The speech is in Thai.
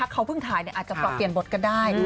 เขาเพิ่งถ่ายอาจจะปรับเปลี่ยนบทกันได้